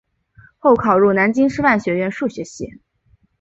后考入南京师范学院数学系。